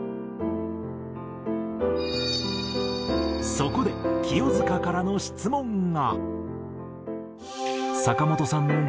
そこで清塚からの質問が。